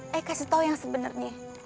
ayo kasih tahu yang sebenarnya